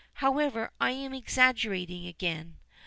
However, I'm exaggerating again.